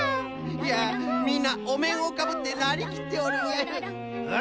いやみんなおめんをかぶってなりきっておるわい。